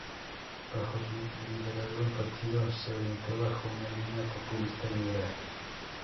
Bajo su liderazgo, el partido se orientó bajo una línea populista liberal.